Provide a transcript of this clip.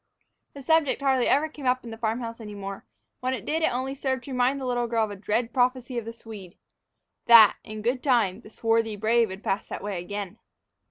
The subject hardly ever came up in the farm house any more; when it did, it only served to remind the little girl of a dread prophecy of the Swede, that, in good time, the swarthy brave would pass that way again!